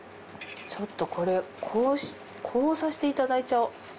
ちょっとこれこうさせていただいちゃおう。